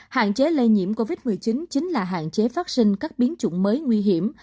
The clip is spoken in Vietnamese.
hạn chế lây nhiễm covid một mươi chín chính là hạn chế phát sinh các biến chủng mới nguy hiểm